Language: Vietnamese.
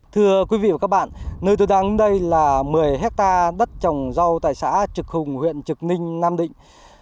thưa quý vị và các bạn nơi tôi đang ứng đây là một mươi hectare đất trồng rau tại xã trực hùng huyện trực ninh nam định